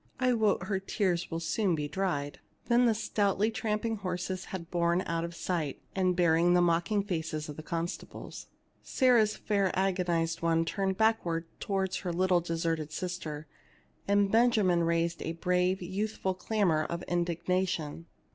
I wot her tears will be soon dried." Then the stoutly tramping horses had borne out of sight and hearing the mocking faces of the constables ; Sarah's fair agonized one turned backward towards her little deserted sister, and Benjamin raised a brave youthful clamor of in dignation.